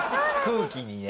空気にね。